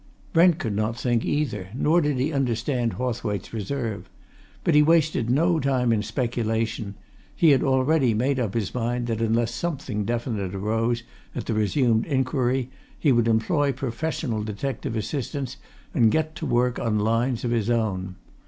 Brent could not think, either, nor did he understand Hawthwaite's reserve. But he wasted no time in speculation: he had already made up his mind that unless something definite arose at the resumed inquiry he would employ professional detective assistance and get to work on lines of his own.